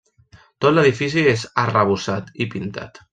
Tot l'edifici és arrebossat i pintat.